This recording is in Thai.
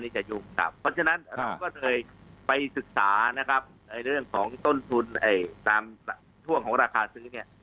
เพราะฉะนั้นเราก็เลยไปศึกษานะครับในเรื่องของต้นทุนตามช่วงของราคาซื้อเนี่ย